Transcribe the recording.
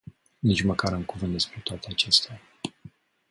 Nici măcar un cuvânt despre toate acestea.